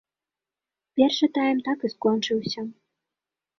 Першы тайм так і скончыўся.